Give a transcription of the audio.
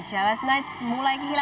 cls knights mulai kembali